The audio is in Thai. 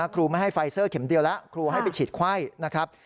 ครูไม่ให้ไฟเซอร์เข็มเดียวแล้วครูให้ไปฉีดไข้นะครับ